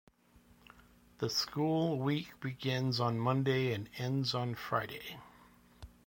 The school week begins on Monday and ends on Friday.